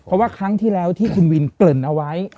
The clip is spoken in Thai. เพราะว่าครั้งที่แล้วที่คุณวินเกริ่นเอาไว้